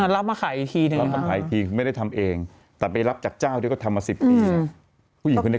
ลำในที่ที่ไม่ได้ทำเองแต่ไปรับจากเจ้าเรียกว่าทำมาสิบปี